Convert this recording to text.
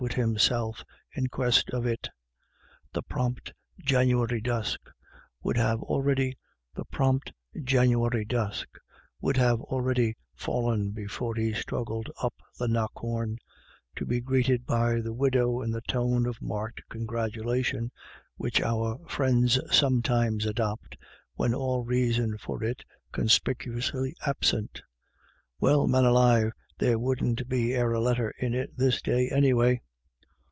303 thur settin* off wid himself " in quest of it The prompt January dusk would have already fallen before he struggled up the knockawn, to be greeted by the widow in the tone of marked congratulation which our friends sometimes adopt when all reason for it is conspicuously absent :" Well, man alive, there wouldn't be e'er a letter in it this day any way."